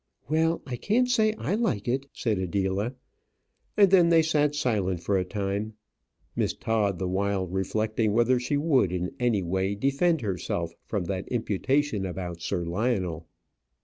"Well, I can't say I like it," said Adela; and then they sat silent for a time, Miss Todd the while reflecting whether she would, in any way, defend herself from that imputation about Sir Lionel.